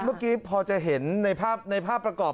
เมื่อกี้พอจะเห็นในภาพในภาพประกอบ